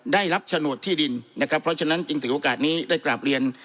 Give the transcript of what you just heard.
ได้รับโฉนดที่ดินนะครับเพราะฉะนั้นจึงถือโอกาสนี้ได้กราบเรียน